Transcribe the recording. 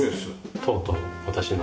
とうとう私の。